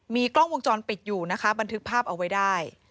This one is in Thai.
มีกล้องวงจรปิดอยู่นะคะบันทึกภาพเอาไว้ได้